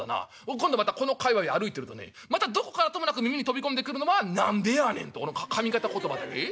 今度またこの界わい歩いてるとねまたどこからともなく耳に飛び込んでくるのは『何でやねん』とこの上方言葉だよえ？